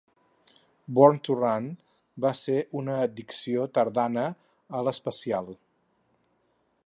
"Born to Run" va ser una addició tardana a l'especial.